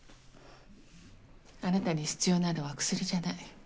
あなたに必要なのは薬じゃない。